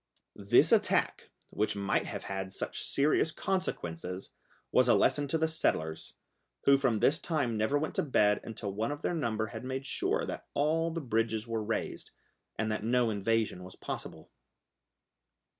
This attack, which might have had such serious consequences, was a lesson to the settlers, who from this time never went to bed until one of their number had made sure that all the bridges were raised, and that no invasion was possible.